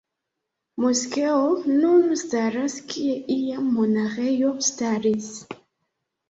Moskeo nun staras kie iam monaĥejo staris.